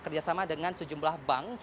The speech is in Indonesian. kerjasama dengan sejumlah bank